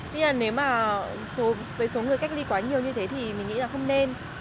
nhưng mà nếu mà với số người cách ly quá nhiều như thế thì mình nghĩ là không nên